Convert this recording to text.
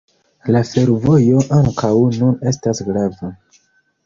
La fervojo ankaŭ nun estas grava.